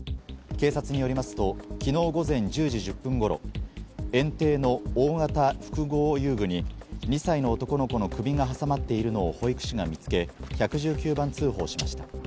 警察によりますと昨日午前１０時１０分頃、園庭の大型複合遊具に２歳の男の子の首が挟まっているのを保育士が見つけ、１１９番通報しました。